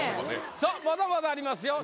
さっまだまだありますよ